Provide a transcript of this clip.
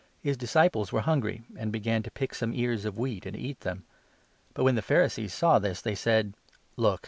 His disciples were not observing hungry, and began to pick some ears of wheat the Law. ancj eaj. them But, when the Pharisees saw this, 2 they said :" Look